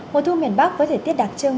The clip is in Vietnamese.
mùa thu miền bắc với thể tiết đặc trưng